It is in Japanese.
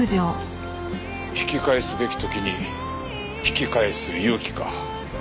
引き返すべき時に引き返す勇気か。